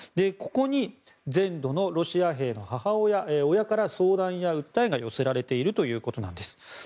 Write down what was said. ここに全土のロシア兵の親から相談や訴えが寄せられているということなんです。